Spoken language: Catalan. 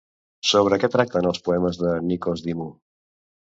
Sobre què tracten els poemes de Nikos Dimu?